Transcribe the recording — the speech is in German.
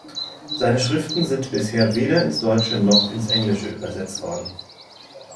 Seine Schriften sind bisher weder ins Deutsche noch ins Englische übersetzt worden.